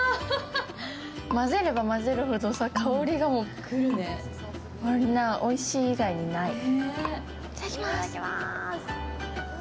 混ぜれば混ぜるほど香りがくるね、おいしい以外にない。